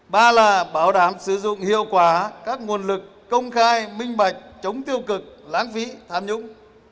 ba là bảo đảm sử dụng hiệu quả các nguồn lực công khai minh bạch chống tiêu cực láng vĩ tham nhũng